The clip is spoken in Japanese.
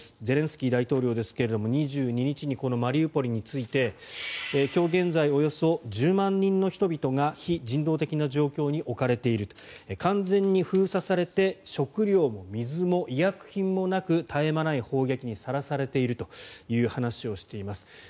ゼレンスキー大統領ですが２２日にこのマリウポリについて今日現在およそ１０万人の人々が非人道的な状況に置かれている完全に封鎖されて食料も水も医薬品もなく絶え間ない砲撃にさらされているという話をしています。